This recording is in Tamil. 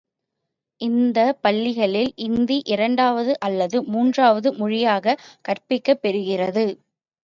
இந்தப் பள்ளிகளில் இந்தி இரண்டாவது அல்லது மூன்றாவது மொழியாகக் கற்பிக்கப்பெறுகிறது.